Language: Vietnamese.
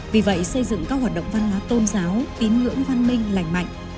vì vậy xây dựng các hoạt động văn hóa tôn giáo tín ngưỡng văn minh lành mạnh